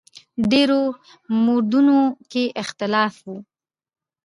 ډېرو موردونو کې اختلاف و.